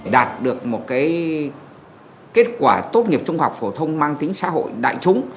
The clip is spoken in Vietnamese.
đạt được một kết quả tốt nghiệp trung học phổ thông mang tính xã hội đại chúng